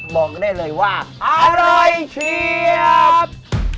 บอกได้เลยว่าอร่อยเชียบ